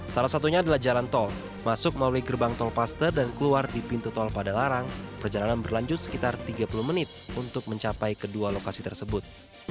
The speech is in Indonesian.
salah satunya adalah jalan tol masuk melalui gerbang tolpaster dan keluar di pintu tol pada larang perjalanan berlanjut sekitar tiga puluh menit untuk mencapai kedua lokasi tersebut